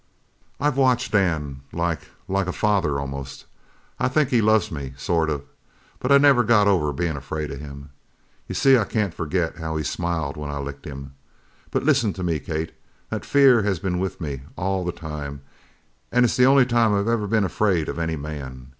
"I've watched Dan like like a father, almost. I think he loves me, sort of but I've never got over being afraid of him. You see I can't forget how he smiled when I licked him! But listen to me, Kate, that fear has been with me all the time an' it's the only time I've ever been afraid of any man.